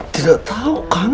tidak tau kang